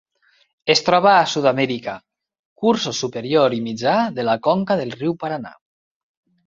Es troba a Sud-amèrica: cursos superior i mitjà de la conca del riu Paranà.